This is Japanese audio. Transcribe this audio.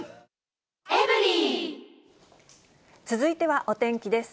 続いてはお天気です。